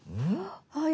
はい。